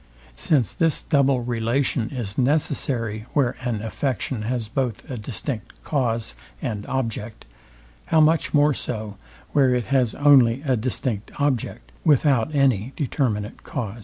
Since this double relation is necessary where an affection has both a distinct cause, and object, how much more so, where it has only a distinct object, without any determinate cause?